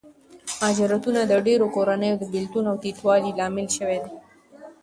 مهاجرتونه د ډېرو کورنیو د بېلتون او تیتوالي لامل شوي دي.